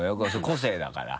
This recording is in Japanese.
個性だから。